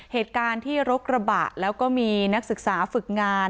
เหตุการณ์ที่รกระบะแล้วก็มีนักศึกษาฝึกงาน